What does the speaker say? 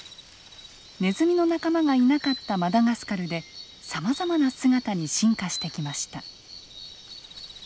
ネズミの仲間がいなかったマダガスカルでさまざまな姿に進化してきました。